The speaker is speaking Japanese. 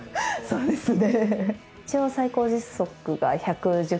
そうですね。